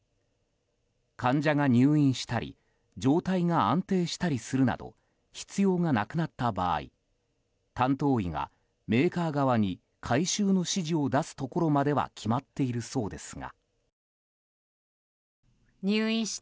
患者が入院したり状態が安定したりするなど必要がなくなった場合担当医がメーカー側に回収の指示を出すところまでは決まっているそうですが。